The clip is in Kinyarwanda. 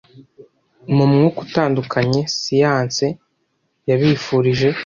Mu mwuka utandukanye, siyanse: yabifurije